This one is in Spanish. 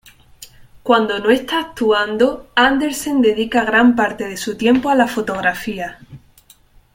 Cuando no está actuando, Andersen dedica gran parte de su tiempo a la fotografía.